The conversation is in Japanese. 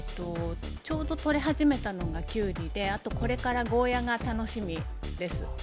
ちょうど採れ始めたのがキュウリであとこれからゴーヤーが楽しみです